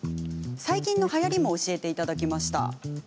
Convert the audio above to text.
最近のはやりも教えていただきました。